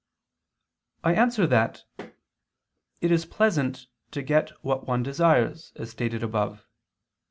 I answer that, It is pleasant to get what one desires, as stated above (Q.